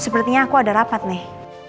sepertinya aku ada rapat nih